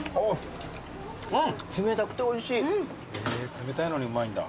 冷たいのにうまいんだ。